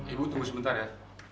ibu tunggu sebentar ya